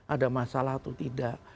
ada masalah atau tidak